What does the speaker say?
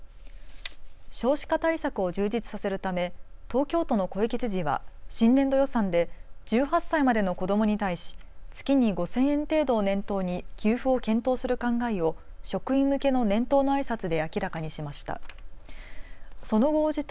少子化対策を充実させるため東京都の小池知事は新年度予算で１８歳までの子どもに対し月に５０００円程度を念頭に給付を検討する考えを職員向けの年頭のあいさつで明らかにしました。